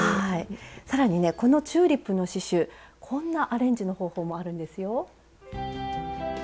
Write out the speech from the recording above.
更にねこのチューリップの刺しゅうこんなアレンジの方法もあるんですよ。